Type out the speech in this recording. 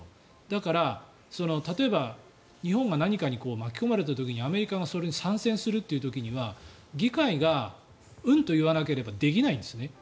だから、例えば日本が何かに巻き込まれた時に、アメリカがそれに参戦するという時には議会がうんと言わなければできないんですね。